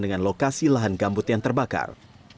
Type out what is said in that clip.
dengan lokasi lahan gambut yang terbakar